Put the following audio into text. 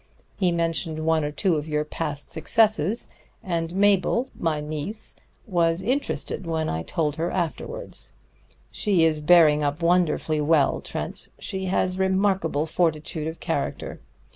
He mentioned one or two of your past successes, and Mabel my niece was interested when I told her afterwards. She is bearing up wonderfully well, Trent; she has remarkable fortitude of character.